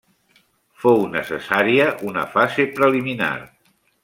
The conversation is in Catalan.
Fou necessària una fase preliminar.